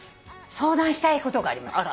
「相談したいことがあります。